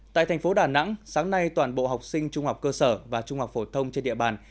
tại thành phố đà nẵng sáng nay toàn bộ học sinh trung học cơ sở và trung học phổ thông trên địa bàn